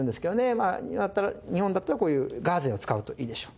まあ日本だったらこういうガーゼを使うといいでしょう。